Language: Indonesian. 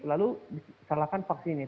lalu disalahkan vaksinnya